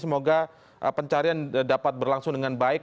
semoga pencarian dapat berlangsung dengan baik